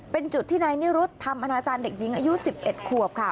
เป็นจุดที่นายนิรุธทำอนาจารย์เด็กหญิงอายุ๑๑ขวบค่ะ